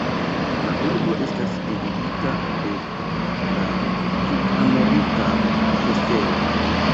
La urbo estas dividita de la Tut-Amerika Ŝoseo.